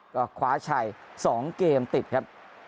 ก็คว้าชัย๒เกมติดครับ